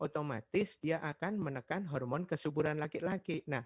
otomatis dia akan menekan hormon kesuburan laki laki